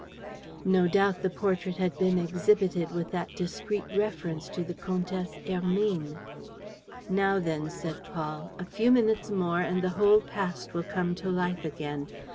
No doubt the portrait had been exhibited with that discreet reference to the Comtesse Hermine. "Now, then," said Paul. "A few minutes more, and the whole past will come to life again.